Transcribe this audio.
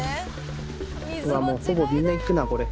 うわもうほぼみんな行くなこれ。